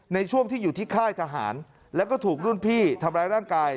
ในช่วงที่อยู่ที่ค่ายทหารแล้วก็ถูกรุ่นพี่ทำร้ายร่างกาย